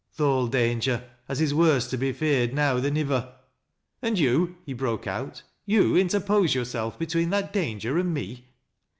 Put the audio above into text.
" Th' old danger, as is worse to be feared now than iwer." " And you !" he broke out. " You interpose yourselJ between that danger and me